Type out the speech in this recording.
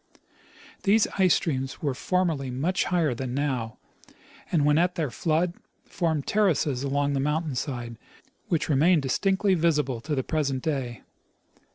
These ice streams were formerly much higher than now, and when at their flood formed terraces along the mountain side, which remain distinctly visible to the present day.